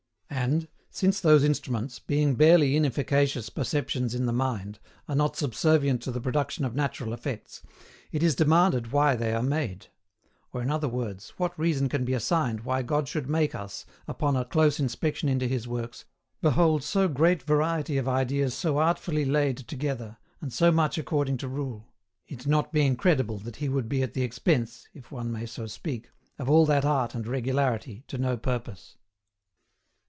And, since those instruments, being barely inefficacious perceptions in the mind, are not subservient to the production of natural effects, it is demanded why they are made; or, in other words, what reason can be assigned why God should make us, upon a close inspection into His works, behold so great variety of ideas so artfully laid together, and so much according to rule; it not being credible that He would be at the expense (if one may so speak) of all that art and regularity to no purpose.